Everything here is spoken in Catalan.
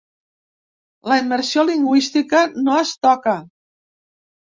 La immersió lingüística no es toca.